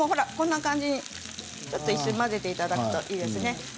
こんな感じに一緒に混ぜていただくといいですね。